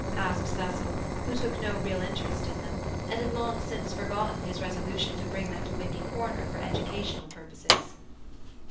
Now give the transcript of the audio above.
asked Cecil, who took no real interest in them, and had long since forgotten his resolution to bring them to Windy Corner for educational purposes.